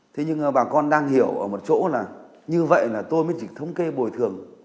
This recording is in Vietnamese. thế nhưng bà con đang hiểu ở một chỗ là như vậy là tôi mới chỉ thống kê bồi thường